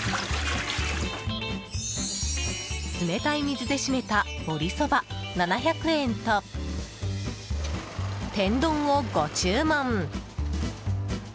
冷たい水で締めたもりそば、７００円と天丼をご注文。